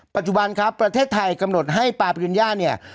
ปัจจุบันครับประเทศไทยกำหนดให้ปาปริญญาเนี่ย